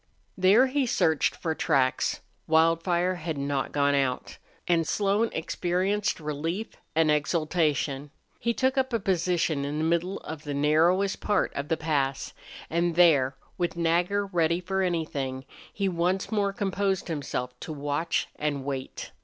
There he searched for tracks. Wildfire had not gone out, and Slone experienced relief and exultation. He took up a position in the middle of the narrowest part of the pass, and there, with Nagger ready for anything, he once more composed himself to watch and wait.